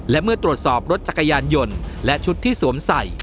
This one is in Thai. และเมื่อตรวจสอบรถจักรยานยนต์และชุดที่สวมใส่